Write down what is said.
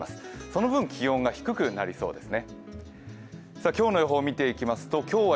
その分、気温が低くなりそうです。